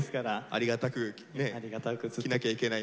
ありがたく着なきゃいけないね。